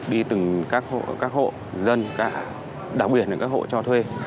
đi từng các hộ dân cả đặc biệt là các hộ cho thuê